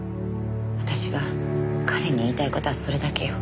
私が彼に言いたい事はそれだけよ。